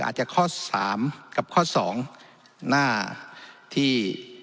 อาจจะข้อ๓กับข้อ๒หน้าที่